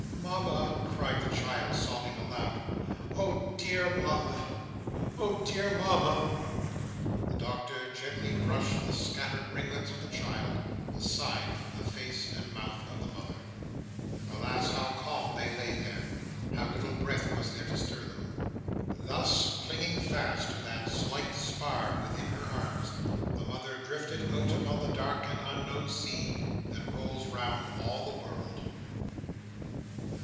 "Mama!" cried the child sobbing aloud. "Oh dear Mama! oh dear Mama!" The Doctor gently brushed the scattered ringlets of the child, aside from the face and mouth of the mother. Alas how calm they lay there; how little breath there was to stir them! Thus, clinging fast to that slight spar within her arms, the mother drifted out upon the dark and unknown sea that rolls round all the world.